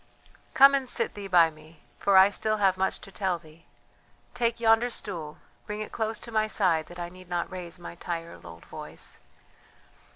"Come and sit thee by me, for I still have much to tell thee. Take yonder stool, bring it close to my side that I need not raise my tired old voice."